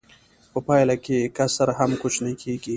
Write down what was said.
په پایله کې کسر هم کوچنی کېږي